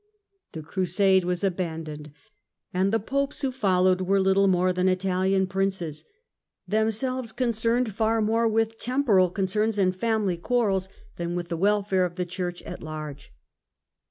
The crusade was abandoned, and the Popes who followed were little more than Italian Princes, themselves concerned far more with temporal concerns and family quarrels, than with the Innocent Welfare of the Church at large.